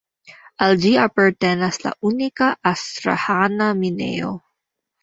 Al ĝi apartenas la unika Astraĥana minejo.